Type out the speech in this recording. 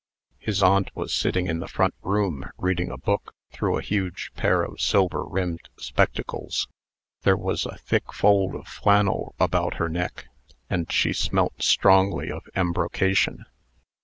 His aunt was sitting in the front room, reading a book through a huge pair of silver rimmed spectacles. There was a thick fold of flannel about her neck, and she smelt strongly of embrocation.